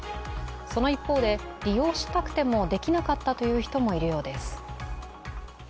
その一方で、利用したくてもできなかったという人もいるようです。